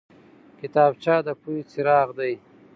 کتابچه د پوهې څراغ دی